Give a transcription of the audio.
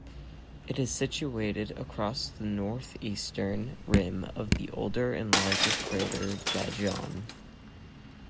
It is situated across the northeastern rim of the older and larger crater Danjon.